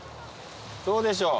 どうでしょう？